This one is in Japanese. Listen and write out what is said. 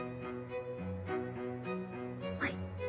はい。